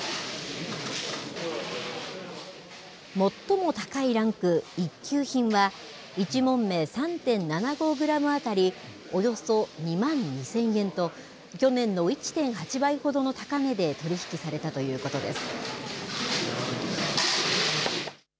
最も高いランク、１級品は、１匁３．７５グラム当たり、およそ２万２０００円と、去年の１．８倍ほどの高値で取り引きされたということです。